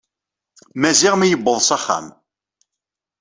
Maziɣ mi yewweḍ s axxam.